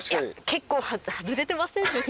結構外れてませんでした？